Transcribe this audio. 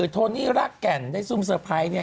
โทนี่รากแก่นได้ซุ่มเซอร์ไพรส์เนี่ย